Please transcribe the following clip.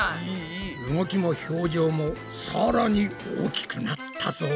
動きも表情もさらに大きくなったぞ。